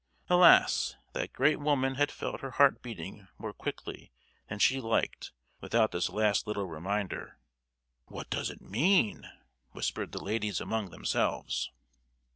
Alas! that great woman had felt her heart beating more quickly than she liked without this last little reminder! "What does it mean?" whispered the ladies among themselves.